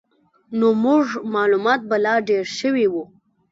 نو زموږ معلومات به لا ډېر شوي وو.